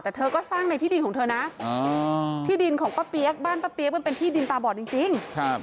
แต่เธอก็สร้างในที่ดินของเธอนะที่ดินของป้าเปี๊ยกบ้านป้าเปี๊ยกมันเป็นที่ดินตาบอดจริง